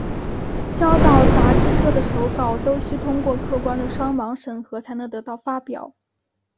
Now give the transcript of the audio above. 交到杂志社的手稿都须通过客观的双盲审核才能得到发表。